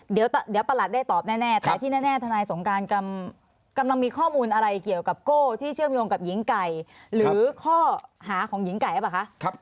เดี๋ยวประหลัดได้ตอบแน่แต่ที่แน่ทนายสงการกำลังมีข้อมูลอะไรเกี่ยวกับโก้ที่เชื่อมโยงกับหญิงไก่หรือข้อหาของหญิงไก่หรือเปล่าคะ